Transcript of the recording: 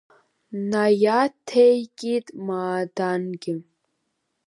Наиаҭеикит Маадангьы.